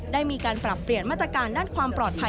ได้มีการปรับเปลี่ยนมาตรการด้านความปลอดภัย